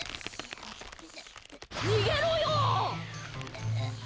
逃げろよー！